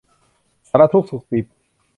สารทุกข์สุกดิบ